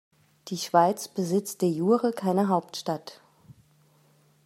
Die Schweiz besitzt de jure keine Hauptstadt.